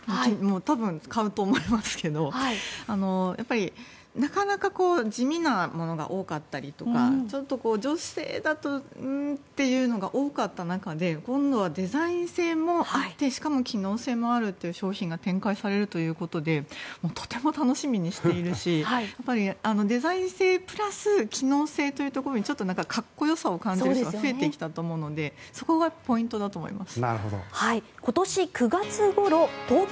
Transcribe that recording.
多分、買うと思いますけどなかなか地味なものが多かったりとか女性だと、うーんというのが多かった中で今度はデザイン性もあってしかも機能性もあるという商品が展開されるということでとても楽しみにしているしデザイン性プラス機能性というところに横浜市戸塚区の路上で２０日男性が棒のようなもので殴られて死亡した事件で殺人事件として捜査を始めました。